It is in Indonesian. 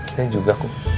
saya juga kok